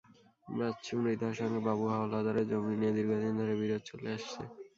বাচ্চু মৃধার সঙ্গে বাবু হাওলাদারের জমি নিয়ে দীর্ঘদিন ধরে বিরোধ চলে আসছে।